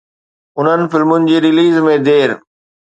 انهن فلمن جي رليز ۾ دير